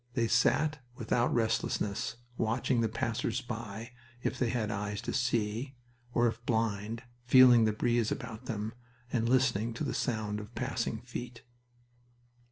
They sat, without restlessness, watching the passers by if they had eyes to see, or, if blind, feeling the breeze about them, and listening to the sound of passing feet.